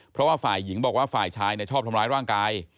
เพราะว่าฝ่ายหญิงบอกว่าฝ่ายชายชอบทำร้ายร่างกาย